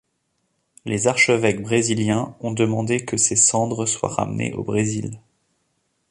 Les archevêques brésiliens ont demandé que ses cendres soient ramenées au Brésil.